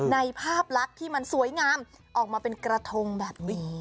ภาพลักษณ์ที่มันสวยงามออกมาเป็นกระทงแบบนี้